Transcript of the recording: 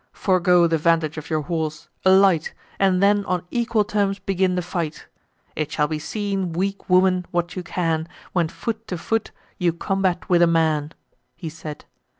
Forego the vantage of your horse, alight, And then on equal terms begin the fight: It shall be seen, weak woman, what you can, When, foot to foot, you combat with a man," He said.